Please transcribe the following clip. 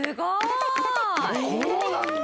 こうなんだ。